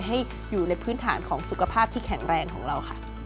ให้อยู่ในพื้นฐานของสุขภาพที่แข็งแรงของเราค่ะ